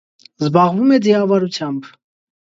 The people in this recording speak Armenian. Զբաղվում է ձիավարությամբ։